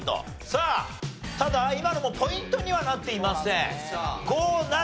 さあただ今のもポイントにはなっていません。